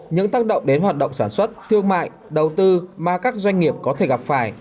những tác động đến hoạt động sản xuất thương mại đầu tư mà các doanh nghiệp có thể gặp phải